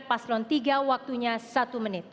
paslon tiga waktunya satu menit